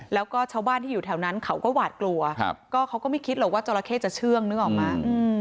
แล้วก็ชาวบ้านที่อยู่แถวนั้นเขาก็หวาดกลัวก็เขาก็ไม่คิดหรอกว่าจราเข้จะเชื่องนึกออกมา